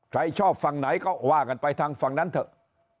ใครชอบฝั่งไหนก็ว่ากันไปทางฝั่งนั้นเถอะ